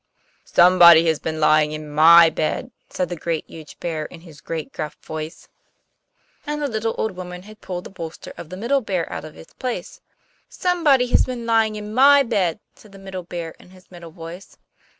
'SOMEBODY HAS BEEN LYING IN MY BED!' said the Great, Huge Bear, in his great, rough, gruff voice. And the little old woman had pulled the bolster of the Middle Bear out of its place. 'Somebody Has Been Lying In My Bed!' said the Middle Bear in his middle voice.